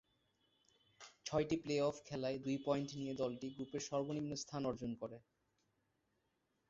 ছয়টি প্লে-অফ খেলায় দুই পয়েন্ট নিয়ে দলটি গ্রুপের সর্বনিম্ন স্থান অর্জন করে।